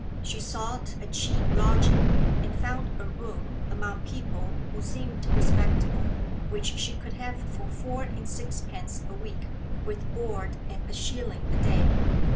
She sought a cheap lodging, and found a room, among people who seemed respectable, which she could have for four and sixpence a week, with board at a shilling a day.